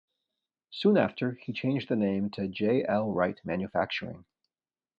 Soon after, he changed the name to J. L. Wright Manufacturing.